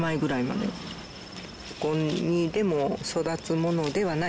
どこにでも育つものではない。